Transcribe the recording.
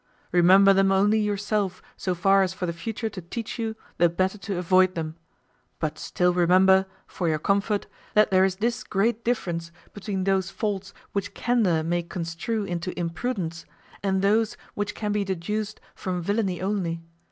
Remember them only yourself so far as for the future to teach you the better to avoid them; but still remember, for your comfort, that there is this great difference between those faults which candor may construe into imprudence, and those which can be deduced from villany only.